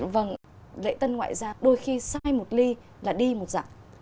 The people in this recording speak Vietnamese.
vâng lễ dân ngoại giao đôi khi sai một ly là đi một dặm